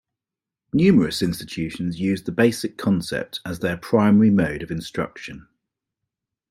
Numerous institutions use the basic concept as their primary mode of instruction.